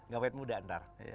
gawet muda ntar